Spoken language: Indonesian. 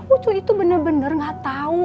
ucu itu bener bener gak tau